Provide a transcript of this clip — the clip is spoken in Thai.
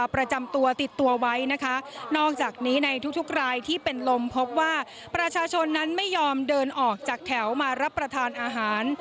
ประชาชนนั้นไม่ยอมเดินออกจากแถวมารับประทานอาหาร